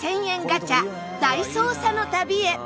ガチャ大捜査の旅へ。